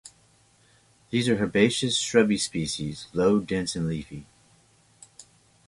These are herbaceous, shrubby species, low, dense and leafy.